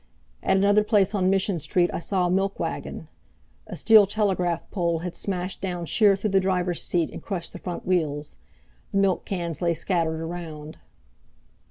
At another place on Mission Street I saw a milk wagon. A steel telegraph pole had smashed down sheer through the driver's seat and crushed the front wheels. The milk cans lay scattered around.